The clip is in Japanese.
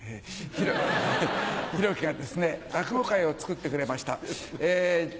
ひろ木がですね落語会を作ってくれました。